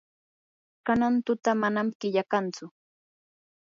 kanan tuta manam killa kantsu.